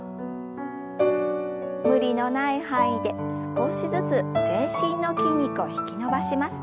無理のない範囲で少しずつ全身の筋肉を引き伸ばします。